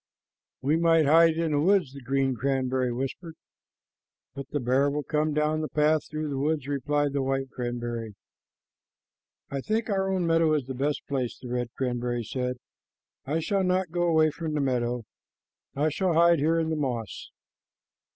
"We might hide in the woods," the green cranberry whispered. "But the bear will come down the path through the woods," replied the white cranberry. "I think our own meadow is the best place," the red cranberry said. "I shall not go away from the meadow. I shall hide here in the moss."